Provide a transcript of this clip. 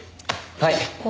はい！